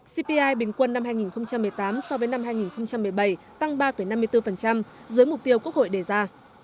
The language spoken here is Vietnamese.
cpi bình quân năm hai nghìn một mươi tám so với năm hai nghìn một mươi bảy tăng ba năm mươi bốn dưới mục tiêu quốc hội đề ra